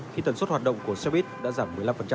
khi tần suất hạt động của xe huyết đã giảm một mươi năm